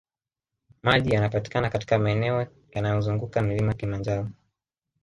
Maji yanapatikana katika maeneo yanayozunguka mlima kilimanjaro